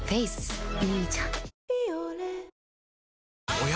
おや？